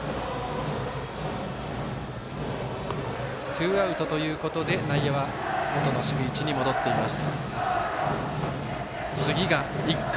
ツーアウト、ということで内野は元の守備位置に戻っています。